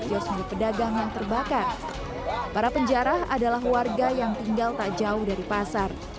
kios milik pedagang yang terbakar para penjara adalah warga yang tinggal tak jauh dari pasar